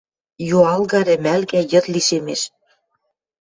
Юалга, рӹмӓлгӓ, йыд лишемеш.